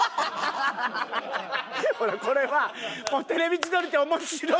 俺これはもう「『テレビ千鳥』って面白いよ」。